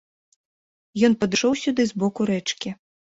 Ён падышоў сюды з боку рэчкі.